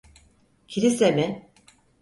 Kilise mi?